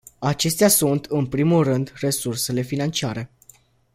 Acestea sunt, în primul rând, resursele financiare.